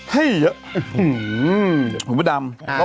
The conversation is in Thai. เฮ้ยเหมือนกับดำ